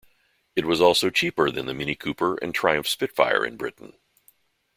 It was also cheaper than the Mini Cooper and Triumph Spitfire, in Britain.